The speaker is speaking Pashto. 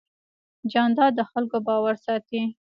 جانداد د خلکو باور ساتي.